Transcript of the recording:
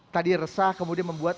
tadi resah kemudian membuat